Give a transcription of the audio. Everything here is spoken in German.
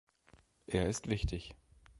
Er ist wichtig.